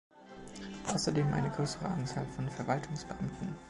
Außerdem eine größere Anzahl von Verwaltungsbeamten.